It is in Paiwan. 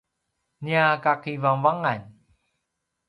nia kakivangavangan